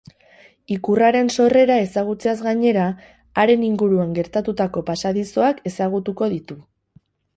Ikurraren sorrera ezagutzeaz gainera, haren inguruan gertatutako pasadizoak ezagutuko ditu.